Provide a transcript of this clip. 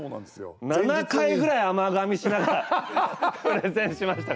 ７回ぐらい、甘がみしながらプレゼンしましたからね。